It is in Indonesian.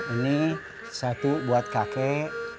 ini satu buat kakek